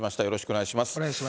よろしくお願いします。